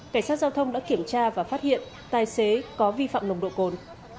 cảnh sát giao thông đã kiểm tra và phát hiện tài xế có vi phạm nồng độ cồn